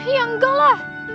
ya enggak lah